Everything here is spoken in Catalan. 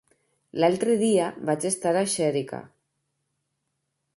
L'altre dia vaig estar a Xèrica.